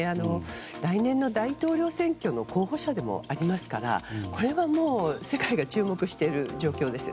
来年の大統領選挙の候補者でもありますからこれはもう世界が注目している状況です。